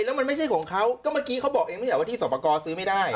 แล้วมันไม่ใช่ของเขาก็เมื่อกี้เขาบอกเองไม่ใช่ว่าที่สอบประกอบซื้อไม่ได้